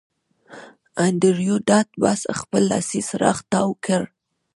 انډریو ډاټ باس خپل لاسي څراغ تاو کړ